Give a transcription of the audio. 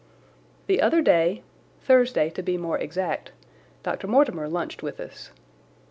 The other day—Thursday, to be more exact—Dr. Mortimer lunched with us.